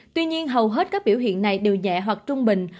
tuy nhiên hầu hết các biểu hiện này đều nhẹ hoặc trung bình